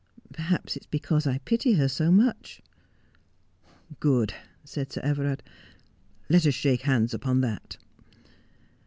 Perhaps it is because I pity her so much.' ' Good,' said Sir Everard ;' let us shake hands upon that.'